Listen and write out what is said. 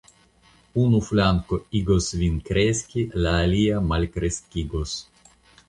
Unu flanko igos vin kreski, la alia malkreskigos.